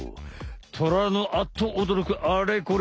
トラのアッとおどろくあれこれ